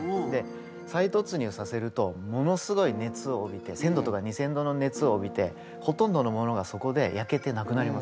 再突入させるとものすごい熱をおびて１，０００度とか２，０００度の熱をおびてほとんどのものがそこで焼けてなくなります。